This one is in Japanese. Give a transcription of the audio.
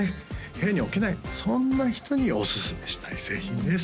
部屋には置けないそんな人におすすめしたい製品です